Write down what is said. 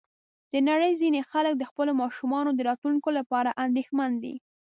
د نړۍ ځینې خلک د خپلو ماشومانو د راتلونکي لپاره اندېښمن دي.